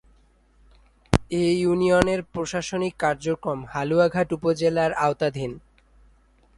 এ ইউনিয়নের প্রশাসনিক কার্যক্রম হালুয়াঘাট উপজেলার আওতাধীন।